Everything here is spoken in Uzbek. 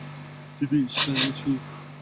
jiddiy ish ekanligini tushunib